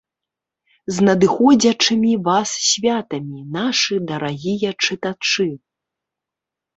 З надыходзячымі вас святамі, нашы дарагія чытачы!